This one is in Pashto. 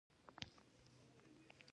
افغانستان د انګور په اړه علمي څېړنې لري.